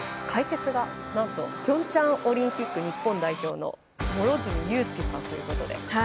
解説がなんとピョンチャンオリンピック日本代表の両角友佑さんということで。